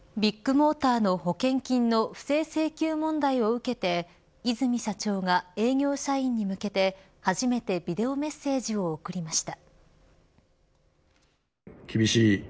ビッグモーターの保険金の不正請求問題を受けて和泉社長が営業社員に向けて初めてビデオメッセージを送りました。